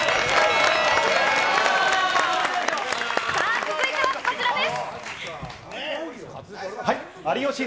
続いてはこちらです。